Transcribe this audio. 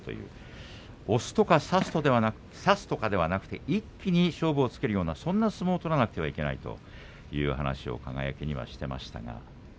押すとか差すとかではなく一気に勝負をつけるようなそういう相撲を取らなければいけないという話を輝にしていました。